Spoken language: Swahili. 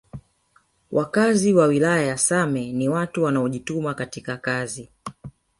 Wakazi wa wilaya ya same ni watu wanaojituma katika kazi